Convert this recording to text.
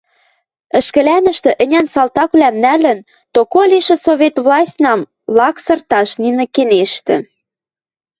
– ӹшкӹлӓнӹштӹ ӹнян салтаквлӓм нӓлӹн, токо лишӹ Совет властьнам лаксырташ нинӹ кенештӹ.